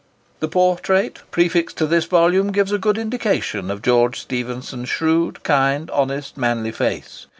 The portrait prefixed to this volume gives a good indication of George Stephenson's shrewd, kind, honest, manly face.